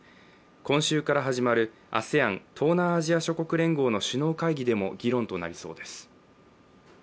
今週から始まるＡＳＥＡＮ＝東南アジア諸国連合の首脳会議でも議論となりそうです。